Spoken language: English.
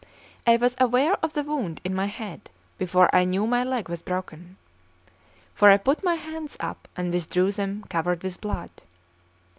I was aware of the wound in my head before I knew my leg was broken; for I put my hands up, and withdrew them covered with blood.